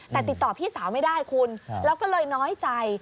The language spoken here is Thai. แต่ติดต่อพี่สาวไม่ได้คุณแล้วก็เลยน้อยใจ